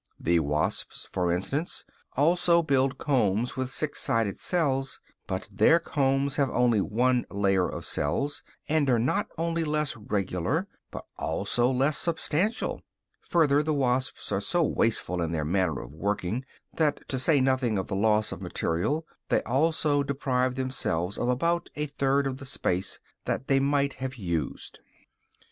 The wasps, for instance, also build combs with six sided cells; but their combs have only one layer of cells, and are not only less regular, but also less substantial; further, the wasps are so wasteful in their manner of working that, to say nothing of the loss of material, they also deprive themselves of about a third of the space that they might have used.